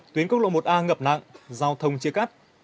tuyến quốc lộ một a ngập nặng giao thông chia cắt